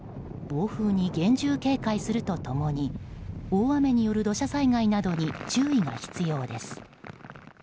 暴風に厳重警戒するとともに大雨による土砂災害などに注意が必要です。